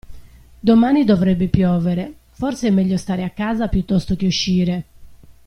Domani dovrebbe piovere, forse è meglio stare a casa piuttosto che uscire.